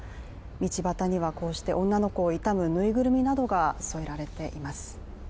道端にはこうして女の子を悼むぬいぐるみなどが添えられています。